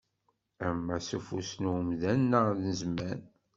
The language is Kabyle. Ama s ufus n umdan neɣ n zzman.